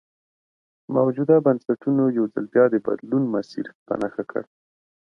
موجوده بنسټونو یو ځل بیا د بدلون مسیر په نښه کړ.